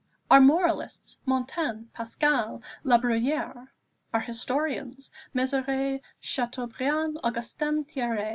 Our moralists Montaigne, Pascal, Labruyère. Our historians Mezeray, Chateaubriand, Augustin Thierry.